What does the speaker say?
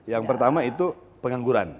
yang pertama itu pengangguran